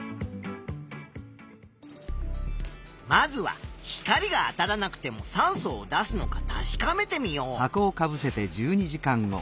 まずは光があたらなくても酸素を出すのか確かめてみよう。